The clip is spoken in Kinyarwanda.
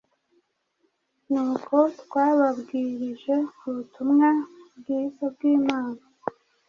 nk’uko twababwirije ubutumwa bwiza bw’Imana,